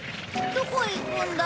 どこへ行くんだ？